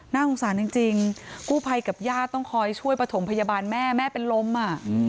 สงสารจริงกู้ภัยกับญาติต้องคอยช่วยประถมพยาบาลแม่แม่เป็นลมอ่ะ